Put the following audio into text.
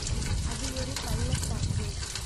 அது ஒரு பள்ளத்தாக்கு.